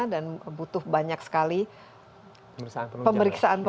dan butuh banyak sekali pemeriksaan penunjukan